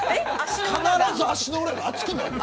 必ず足の裏が暑くなる。